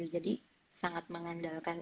jadi sangat mengandalkan